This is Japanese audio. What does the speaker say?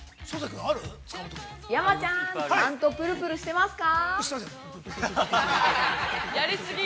◆山ちゃん、ちゃんとぷるぷるしてますか。